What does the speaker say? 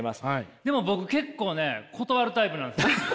でも僕結構ね断るタイプなんですよ。